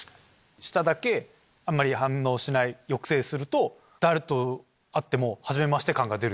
下だけ反応しない抑制すると誰と会ってもはじめまして感が出る？